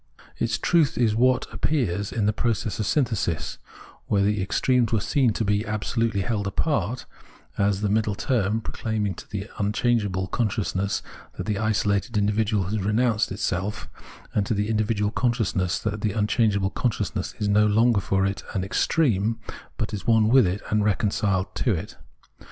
Its truth is what appears in the process of synthesis — where the extremes were seen to be absolutely held apart — as the middle term, proclaiming to the unchangeable con sciousness that the isolated individual has renounced itself, and to the individual consciousness that the un changeable consciousness is no longer for it an extreme, but is one with it and reconciled to it.